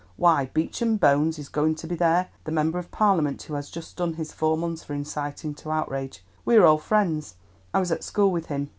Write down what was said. Why, Beecham Bones is going to be there, the member of Parliament who has just done his four months for inciting to outrage. We are old friends; I was at school with him.